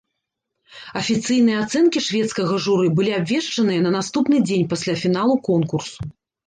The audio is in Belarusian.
Афіцыйныя ацэнкі шведскага журы былі абвешчаныя на наступны дзень пасля фіналу конкурсу.